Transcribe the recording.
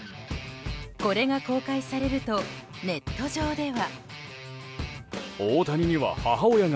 これが公開されるとネット上では。